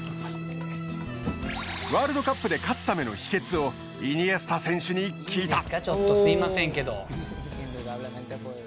ワールドカップで勝つための秘けつをイニエスタ選手に聞いた。